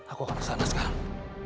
aku akan kesana sekarang